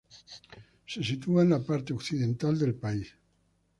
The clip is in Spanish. Se sitúa en la parte occidental del país.